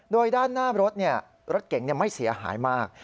โดยด้านหน้ารถรถเก๋งไม่เสียหายมาก